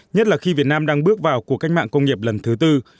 nhất là khi việt nam đang bước vào cuộc cách mạng công nghiệp lần thứ tư